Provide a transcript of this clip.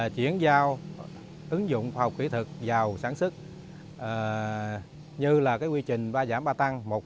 chuyển giao ứng dụng phòng kỹ thực vào sản xuất như quy trình ba giảm ba tăng